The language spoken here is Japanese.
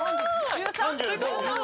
１３？